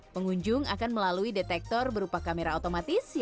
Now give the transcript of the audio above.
pengunjung akan melalui detektor berupa kamera otomatis